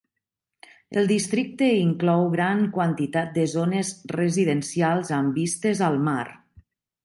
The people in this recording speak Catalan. El districte inclou gran quantitat de zones residencials amb vistes al mar.